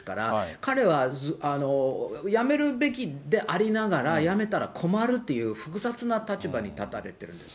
彼は辞めるべきでありながら辞めたら困るっていう、複雑な立場に立たれてるんです。